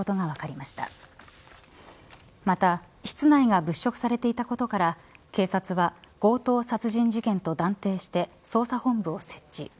また室内が物色されていたことから警察は強盗殺人事件と断定して捜査本部を設置。